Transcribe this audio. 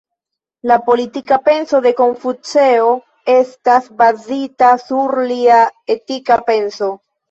La politika penso de Konfuceo estas bazita sur lia etika penso.